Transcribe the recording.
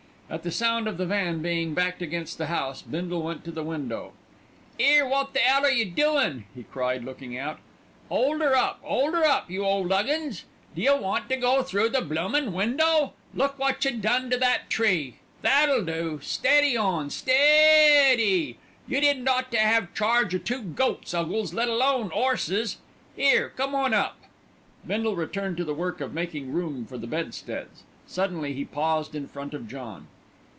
At the sound of the van being backed against the house, Bindle went to the window. "'Ere, wot the 'ell are you doin'?" he cried, looking out. "'Old 'er up, 'old 'er up, you ole 'Uggins! D'you want to go through the bloomin' window? Look wot you done to that tree. That'll do! Steady on, steeeeeeeeady! You didn't ought to 'ave charge o' two goats, 'Uggles, let alone 'orses. 'Ere, come on up!" Bindle returned to the work of making room for the bedsteads. Suddenly he paused in front of John.